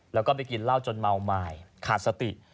แล้วก็ไปกินเหล้าจนเมาไม้ขาดสติ